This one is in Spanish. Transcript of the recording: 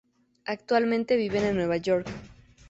Actualmente viven en Nueva York.